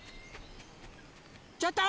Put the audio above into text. ちょっと！